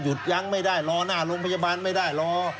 ยังไม่ได้รอหน้าโรงพยาบาลไม่ได้รอ